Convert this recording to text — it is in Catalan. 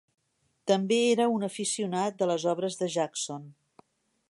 També era un aficionat de les obres de Jackson.